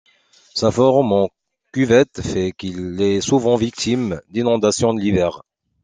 Sa forme en cuvette fait qu'il est souvent victime d'inondations l'hiver.